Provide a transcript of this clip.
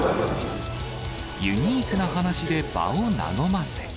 ユニークな話で場を和ませ。